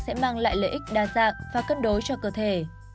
sẽ mang lại lợi ích đa dạng và cân đối cho cơ thể